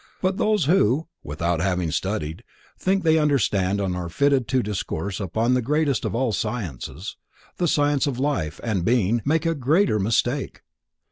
But those who, without having studied, think they understand and are fitted to discourse upon the greatest of all sciences, the science of Life and Being, make a greater mistake.